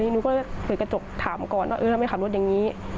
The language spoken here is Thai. หนูก็เลยเปิดกระจกถามก่อนว่าเออทำไมขับรถอย่างนี้